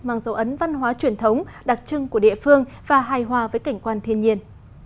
mang dấu ấn văn hóa truyền thống đặc trưng của địa phương và hài hòa với cảnh quan thiên nhiên